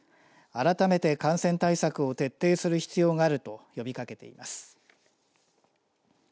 改めて感染対策を徹底する必要があると呼びかけています。